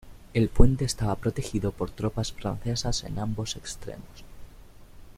El puente estaba protegido por tropas francesas en ambos extremos.